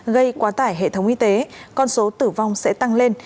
gây quá tải hệ thống y tế con số tử vong sẽ tăng lên